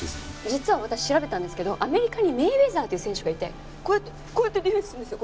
実は私調べたんですけどアメリカにメイウェザーっていう選手がいてこうやってこうやってディフェンスするんですよ。